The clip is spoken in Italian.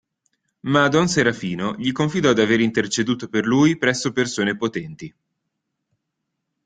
Ma don Serafino gli confidò d'aver interceduto per lui presso persone potenti.